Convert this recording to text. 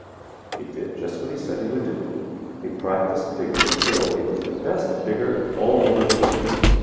"He did just what he said he would do. He practised digging until he was the best digger of all the little people.